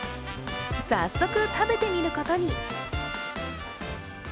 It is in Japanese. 早速食べてみることに。